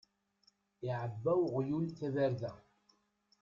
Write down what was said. Iɛebba uɣyul tabarda.